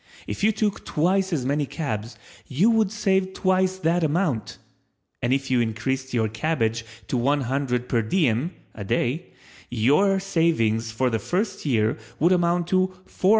If you took twice as many cabs you would save twice that amount, and if you increased your cabbage to one hundred per diem (a day) your savings for the first year would amount to $448,950.